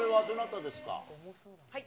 はい。